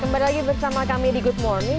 kembali lagi bersama kami di good morning